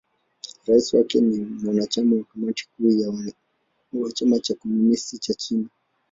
Rais wake ni mwanachama wa Kamati Kuu ya Chama cha Kikomunisti cha China.